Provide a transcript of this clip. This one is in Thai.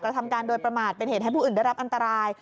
ทำการโดยประมาทเป็นเหตุให้ผู้อื่นได้รับอันตราย